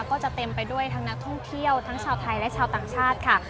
ก็จะเต็มไปด้วยทั้งนักท่องเที่ยวทั้งชาวไทยและชาวต่างชาติค่ะ